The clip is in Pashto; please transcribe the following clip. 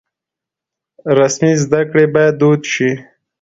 رسمي زده کړې بايد دود شي.